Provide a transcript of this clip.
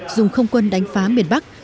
dùng không quân đánh phá miền bắc